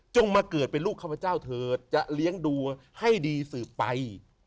มาเกิดเป็นลูกข้าพเจ้าเถิดจะเลี้ยงดูให้ดีสืบไป